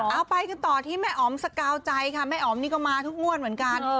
เอาไปกันต่อที่แม่อ๋อมสกาวใจค่ะแม่อ๋อมนี่ก็มาทุกงวดเหมือนกัน